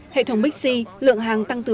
hệ thống bixi lượng hàng tăng từ ba mươi bốn mươi